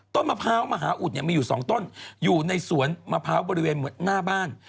มะพร้าวมหาอุดเนี่ยมีอยู่สองต้นอยู่ในสวนมะพร้าวบริเวณหน้าบ้าน